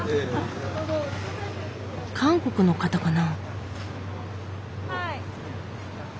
韓国の方かな？